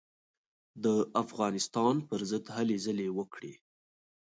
د افغانستان پر ضد هلې ځلې وکړې.